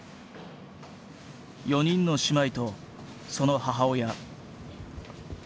４人の姉妹とその母親。